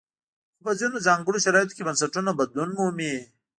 خو په ځینو ځانګړو شرایطو کې بنسټونه بدلون مومي.